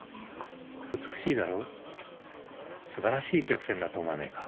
美しいだろ素晴らしい曲線だと思わないか？